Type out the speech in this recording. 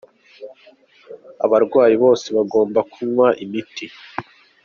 Abarwayi bose bagomba kunywa imiti.